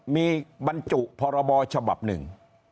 มีบรรจุพรบฉบับหนึ่ง